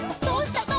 どうした？」